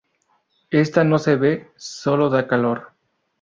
Ésta no se ve, sólo da calor.